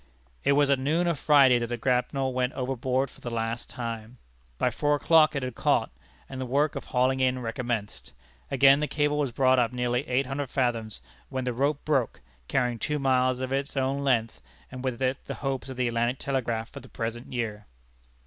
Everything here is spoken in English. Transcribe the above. It was at noon of Friday that the grapnel went overboard for the last time. By four o'clock it had caught, and the work of hauling in recommenced. Again the cable was brought up nearly eight hundred fathoms, when the rope broke, carrying down two miles of its own length, and with it the hopes of the Atlantic Telegraph for the present year.